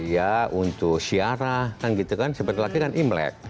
ya untuk siarah kan gitu kan sebentar lagi kan imlek